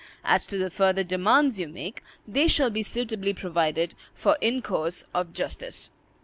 As to the further demands you make, they shall be suitably provided for in course of justice."